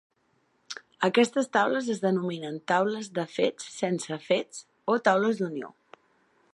Aquestes taules es denominen "taules de fets sense fets" o "taules d'unió".